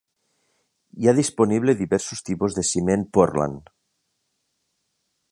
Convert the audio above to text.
Hi ha disponible diversos tipus de cement Portland.